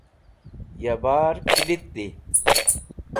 ya bar klit di